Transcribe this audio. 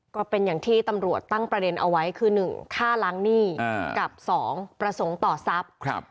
ก็เป็นอย่างที่ตำรวจตั้งประเด็นเอาไว้คือ๑ฆ่าล้างหนี้กับ๒ประสงค์ต่อทรัพย์